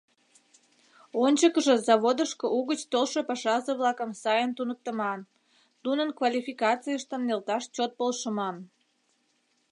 Ончыкыжо заводышко угыч толшо пашазе-влакым сайын туныктыман, нунын квалификацийыштым нӧлташ чот полшыман!